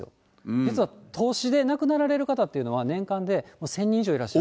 実は凍死で亡くなられる方っていうのは、年間で１０００人以上いらっしゃる。